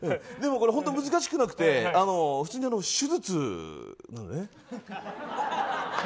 でもこれ本当難しくなくて普通に手術なのね。